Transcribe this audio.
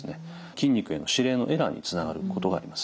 筋肉への指令のエラーにつながることがあります。